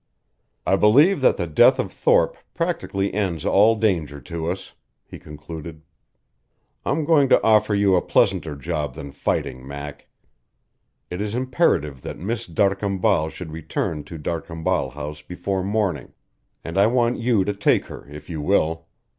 "I believe that the death of Thorpe practically ends all danger to us," he concluded. "I'm going to offer you a pleasanter job than fighting, Mac. It is imperative that Miss d'Arcambal should return to D'Arcambal House before morning, and I want you to take her, if you will.